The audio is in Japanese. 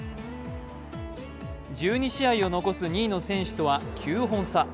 １２試合を残す２位の選手とは９本差。